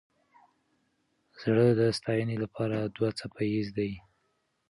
زړه د ستاینې لپاره دوه څپه ایز دی.